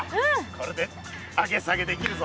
これで上げ下げできるぞ。